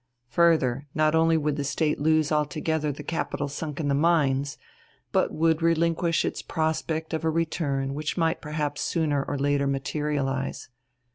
Further, not only would the State lose altogether the capital sunk in the mines, but would relinquish its prospect of a return which might perhaps sooner or later materialize.